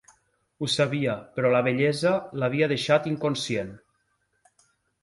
Ho sabia, però la bellesa l'havia deixat inconscient.